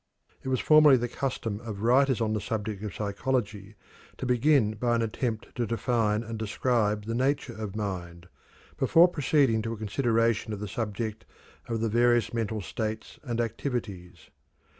It was formerly the custom of writers on the subject of psychology to begin by an attempt to define and describe the nature of mind, before proceeding to a consideration of the subject of the various mental spates and activities.